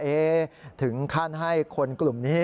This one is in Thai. ถึงขั้นให้คนกลุ่มนี้